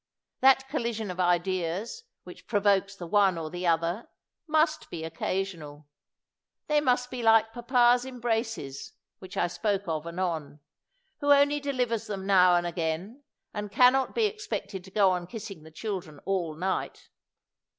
That collision of ideas, which provokes the one or the other, must be occasional. They must be like papa's embraces, which I spoke of anon, who only delivers them now and again, and can not be expected to go on kissing the children all night.